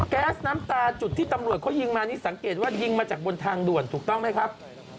แก๊สน้ำตาจุดที่ตำรวจเขายิงมานี่สังเกตว่ายิงมาจากบนทางด่วนถูกต้องไหมครับ